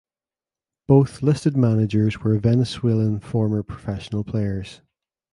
Both listed managers were Venezuelan former professional players.